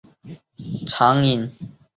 灰狐是岛屿灰狐的祖先。